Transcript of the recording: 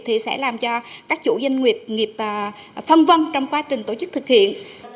thì sẽ làm cho các chủ doanh nghiệp nghiệp phân vân trong quá trình tổ chức thực hiện